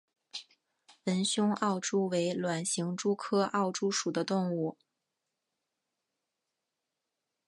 纹胸奥蛛为卵形蛛科奥蛛属的动物。